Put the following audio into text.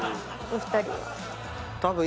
お二人は？